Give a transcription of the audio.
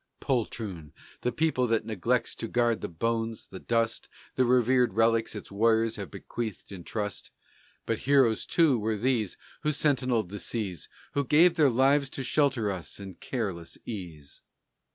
Poltroon, the people that neglects to guard the bones, the dust, The reverenced relics its warriors have bequeathed in trust! But heroes, too, were these Who sentinell'd the seas And gave their lives, to shelter us in careless ease.